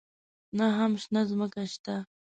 نه هم شنه ځمکه شته.